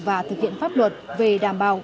và thực hiện pháp luật về đảm bảo